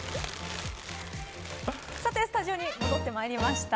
さてスタジオに戻ってまいりました。